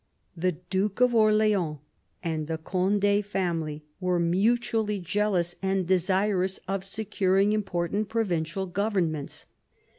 The Duke of Orleans and the Cond^ family were mutually jealous and desirous of securing import ant provincial governments.